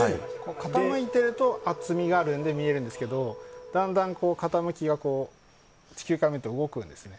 傾いていると厚みがあるように見えるんですけどだんだん、傾きが地球から見て動くんですね。